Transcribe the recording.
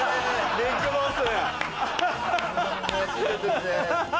ビッグボス。